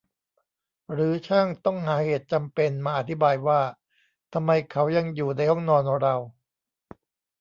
หรือช่างต้องหาเหตุจำเป็นมาอธิบายว่าทำไมเขายังอยู่ในห้องนอนเรา ?